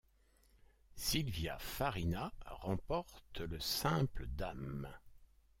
Silvia Farina remporte le simple dames.